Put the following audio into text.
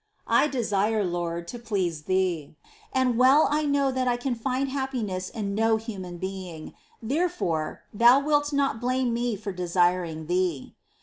I desire, Lord, to please Thee, and well I know that I can find happiness in no human being, ^ therefore, Thou wilt not blame me for desiring Thee.